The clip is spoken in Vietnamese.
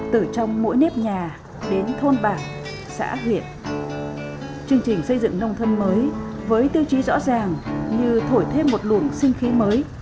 từ trong mỗi nếp nhà đến thôn bản xã huyện chương trình xây dựng nông thôn mới với tiêu chí rõ ràng như thổi thêm một luồng sinh khí mới